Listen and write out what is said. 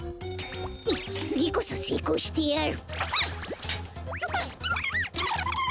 つぎこそせいこうしてやる！